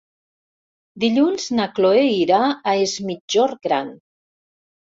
Dilluns na Chloé irà a Es Migjorn Gran.